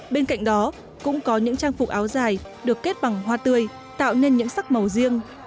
bên cạnh đó cũng có những trang phục áo dài được kết bằng hoa tươi tạo nên những sắc màu riêng